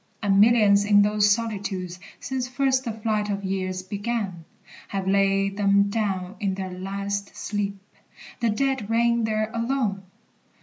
And millions in those solitudes, since first The flight of years began, have laid them down In their last sleep, the dead reign there alone!